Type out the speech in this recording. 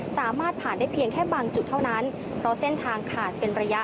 สามารถผ่านได้เพียงแค่บางจุดเท่านั้นเพราะเส้นทางขาดเป็นระยะ